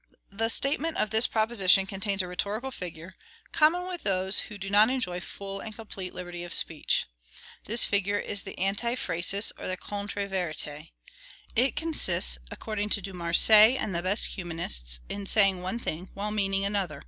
The statement of this proposition contains a rhetorical figure, common with those who do not enjoy full and complete liberty of speech. This figure is the anti phrasis or contre verite. It consists, according to Dumarsais and the best humanists, in saying one thing while meaning another.